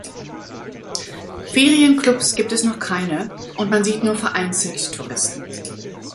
Ferien-Clubs gibt es noch keine und man sieht nur vereinzelt Touristen.